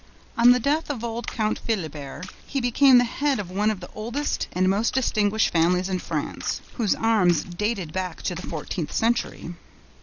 On the death of old Count Philibert, he became the head of one of the oldest and most distinguished families in France, whose arms dated back to the fourteenth century.